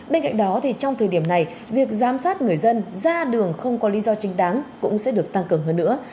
bên cạnh đó thì trong thời điểm này việc giám sát người dân ra đường không có lý do chính đáng cũng sẽ được tăng cường hơn nữa